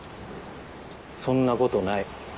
そんなことない。